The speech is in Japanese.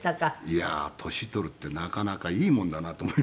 いやー年取るってなかなかいいもんだなと思いましたよ。